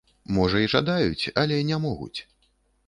Можа і жадаюць, але не могуць!